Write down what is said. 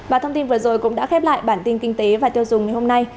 và thông tin vừa rồi cũng đã khép lại bản tin kinh tế và tiêu dùng ngày hôm nay